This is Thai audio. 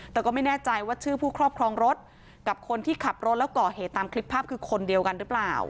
แต่ก็ไม่แน่ใจว่าชื่อผู้ครอบครองรถกับคนที่ขับรถแล้วก่อเหตุตามคลิปภาพคือคนเดียวกันหรือเปล่า